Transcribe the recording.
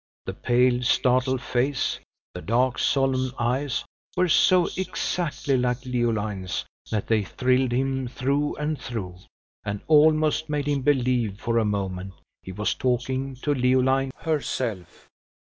The pale, startled face; the dark, solemn eyes, were so exactly like Leoline's, that they thrilled him through and through, and almost made him believe, for a moment, he was talking to Leoline herself.